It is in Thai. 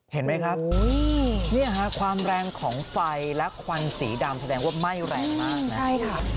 เห็นไหมครับเนี่ยค่ะความแรงของไฟและควันสีดำแสดงว่าไหม้แรงมากนะใช่ค่ะ